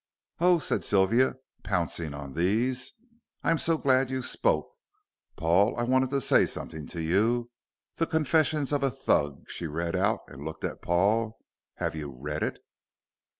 "Oh!" said Sylvia, pouncing on these, "I'm so glad you spoke, Paul; I wanted to say something to you. The Confessions of a Thug," she read out, and looked at Paul. "Have you read it?"